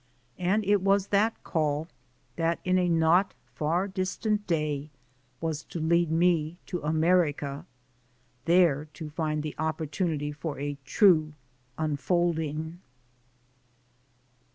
And it was that call that in a not far distant day was to lead me to America, there to find the opportunity for a true unfolding.